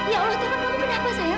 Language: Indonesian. ya allah taufan kamu kenapa sayang